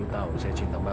tahu sej hdr